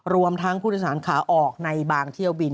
รวมทั้งผู้โดยสารขาออกในบางเที่ยวบิน